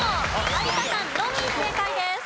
有田さんのみ正解です。